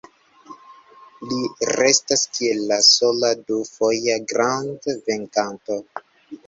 Li restas kiel la sola du-foja grand-venkanto.